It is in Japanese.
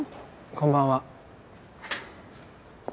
こんばんは。